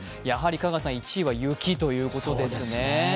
やはり１位は雪ということですね。